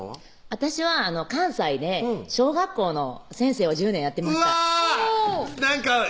私は関西で小学校の先生を１０年やってましたうわ！